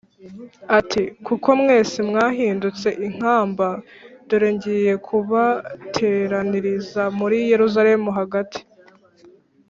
ati ‘Kuko mwese mwahindutse inkamba, dore ngiye kubateraniriza muri Yerusalemu hagati